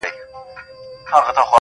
د وروستي عدالت کور د هغه ځای دئ٫